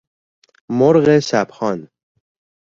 مرغ شب خوان